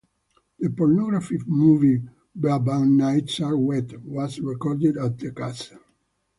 The pornographic movie (Brabant nights are wet) was recorded at the castle.